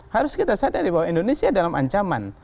harus kita sadari bahwa indonesia dalam ancaman